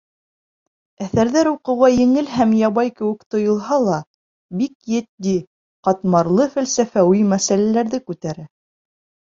Әҫәрҙәр уҡыуға еңел һәм ябай кеүек тойолһа ла, бик етди, ҡатмарлы фәлсәфәүи мәсьәләләрҙе күтәрә.